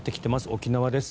沖縄です。